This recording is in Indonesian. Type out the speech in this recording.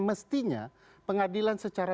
mestinya pengadilan secara